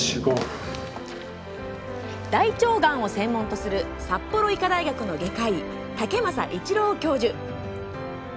大腸がんを専門とする札幌医科大学の外科医竹政伊知朗教授。